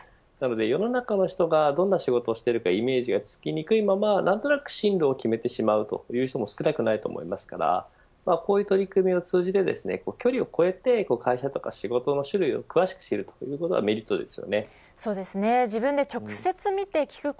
世の中の人がどんな仕事をしているかイメージがつきにくいまま何となく進路を決めてしまう人も少なくないと思いますからこういう取り組みを通じて距離を越えて会社や仕事の種類を詳しく知ることはメリットです。